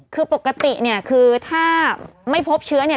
คือปกติเนี่ยคือถ้าไม่พบเชื้อเนี่ย